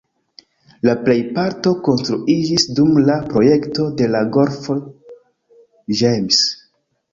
La plejparto konstruiĝis dum la projekto de la golfo James.